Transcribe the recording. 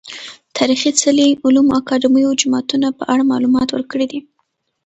تاريخي څلي، علومو اکادميو، جوماتونه په اړه معلومات ورکړي دي